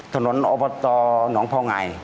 ถนนอบตหนองท้องไง